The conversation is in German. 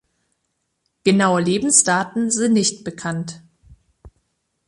Genaue Lebensdaten sind nicht bekannt.